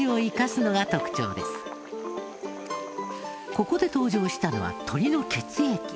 ここで登場したのは鶏の血液。